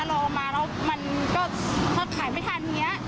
เราเอามามันก็ขายไม่ทันเยี่ยะ